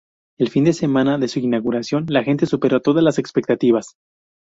El fin de semana de su inauguración la gente superó todas las expectativas.